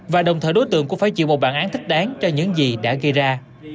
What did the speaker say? và đồng thời đối tượng cũng phải chịu một bản án thích đáng cho những gì đã gây ra